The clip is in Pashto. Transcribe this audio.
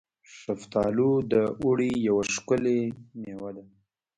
شفتالو د اوړي یوه ښکلې میوه ده.